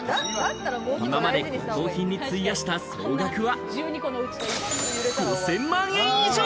今まで骨董品に費やした総額は５０００万円以上。